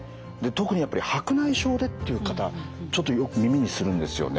特にやっぱり白内障でっていう方ちょっとよく耳にするんですよね。